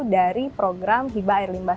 dari program hiba air limbah